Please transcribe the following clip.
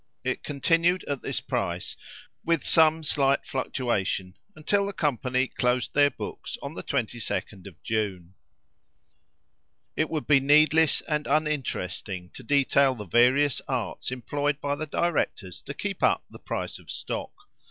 It continued at this price, with some slight fluctuation, until the company closed their books on the 22d of June. It would be needless and uninteresting to detail the various arts employed by the directors to keep up the price of stock.